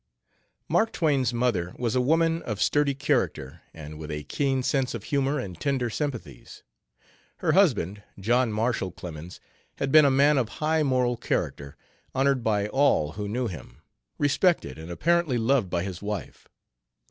Mark Twain's mother was a woman of sturdy character and with a keen sense of humor and tender sympathies. Her husband, John Marshall Clemens, had been a man of high moral character, honored by all who knew him, respected and apparently loved by his wife.